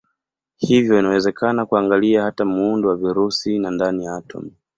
Hivyo inawezekana kuangalia hata muundo wa virusi na ndani ya atomi.